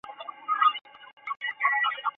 珠节景天为景天科景天属下的一个变种。